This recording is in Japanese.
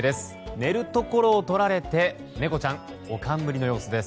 寝るところを取られて猫ちゃんおかんむりの様子です。